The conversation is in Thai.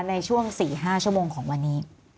ในช่วง๔๕ชั่วโมงของวันนี้